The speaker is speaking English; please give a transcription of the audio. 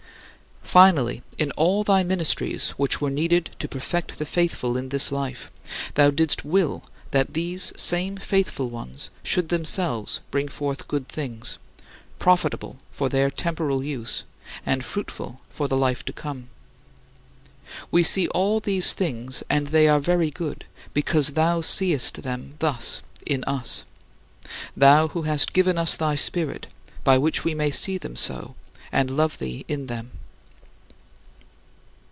Finally, in all thy ministries which were needed to perfect the faithful in this life, thou didst will that these same faithful ones should themselves bring forth good things, profitable for their temporal use and fruitful for the life to come. We see all these things, and they are very good, because thou seest them thus in us thou who hast given us thy Spirit, by which we may see them so and love thee in them.